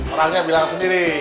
orangnya bilang sendiri